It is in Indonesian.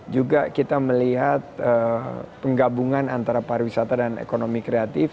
juga kita melihat penggabungan antara pariwisata dan ekonomi kreatif